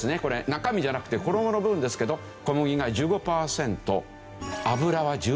中身じゃなくて衣の部分ですけど小麦が１５パーセント油は１３パーセント